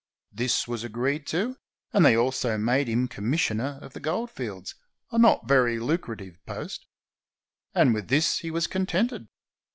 This was agreed to, and they also made him commissioner on the goldfields, a not very lucrative post. And with this he was contented.